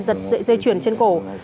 giật dậy dây chuyển trên cổ